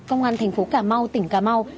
công an thành phố cà mau tỉnh cà mau